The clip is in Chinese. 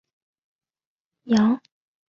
萧绎派柳仲礼率军进取襄阳。